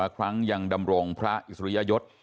ครั้งยังดำรงพระอิสริยยศ